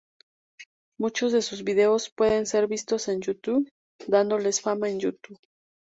Muchos de sus vídeos pueden ser vistos en YouTube, dándoles fama en YouTube.